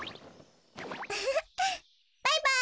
バイバイ！